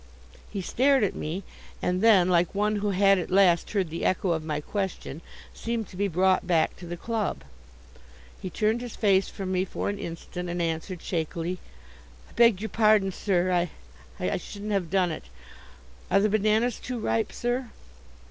He stared at me, and then, like one who had at last heard the echo of my question, seemed to be brought back to the club. He turned his face from me for an instant, and answered, shakily: "I beg your pardon, sir! I I shouldn't have done it. Are the bananas too ripe, sir?"